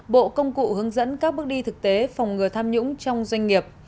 bộ công cụ hướng dẫn các bước đi thực tế phòng ngừa tham nhũng trong doanh nghiệp